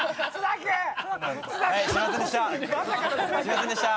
すいませんでした。